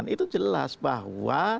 itu jelas bahwa